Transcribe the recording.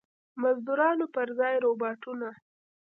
مزدورانو پر ځای روباټونه.